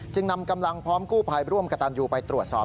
นำกำลังพร้อมกู้ภัยร่วมกับตันยูไปตรวจสอบ